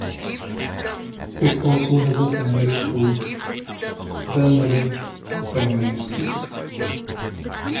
It also has a primary school, Balnarring Primary School.